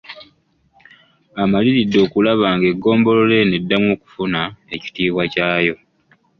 Amaliridde okulaba ng'eggombolola eno eddamu okufuna ekitiibwa kyayo.